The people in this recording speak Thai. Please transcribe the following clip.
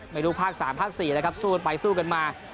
ลูกภาค๓ภาค๔นะครับสู้กันไปสู้กันมา